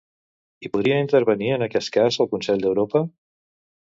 Hi podria intervenir, en aquest cas, el Consell d'Europa?